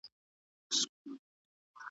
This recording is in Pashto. زه به د باغ بوټو ته اوبه ورکړي وي.